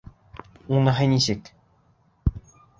Уныһы нисек?